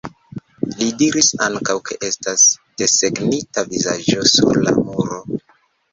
Li diris ankaŭ, ke estas desegnita vizaĝo sur la muro.